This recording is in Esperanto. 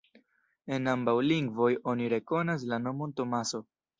En ambaŭ lingvoj oni rekonas la nomon Tomaso.